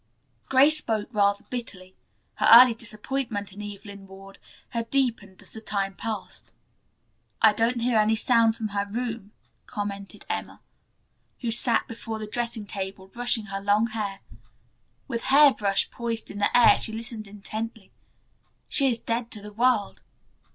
Grace spoke rather bitterly. Her early disappointment in Evelyn Ward had deepened as the time passed. "I don't hear a sound from her room," commented Emma, who sat before the dressing table brushing her long hair. With hair brush poised in the air she listened intently. "She is dead to the world."